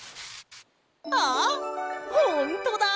あっほんとだ！